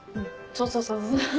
そうそうそうそう。